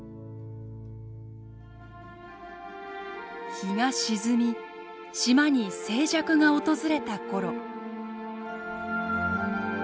日が沈み島に静寂が訪れたころ。